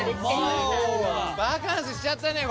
バカンスしちゃったね